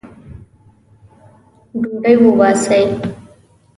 ډوډۍ وباسئ